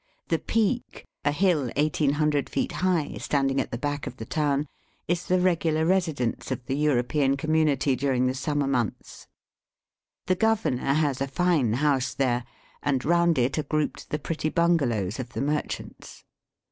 The Peak, a hill eighteen hundred feet high, standing at the back of the town, is the regular residence of the European com munity during the summer months. The governor has a fine house there, and round it are grouped the pretty bungalows of the merchants.